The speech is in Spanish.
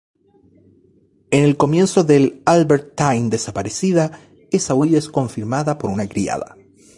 En el comienzo del "Albertine desaparecida", esa huida es confirmada por una criada.